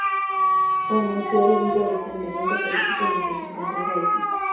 Renunció debido al estancamiento político en el que se encontraba Haití.